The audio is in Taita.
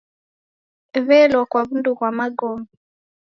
W'elwa kwa w'undu ghwa magome.